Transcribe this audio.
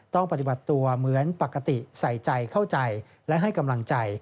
ต้องปฏิบัติตัวเหมือนปกติใส่ใจเข้าใจและให้กำลังใจ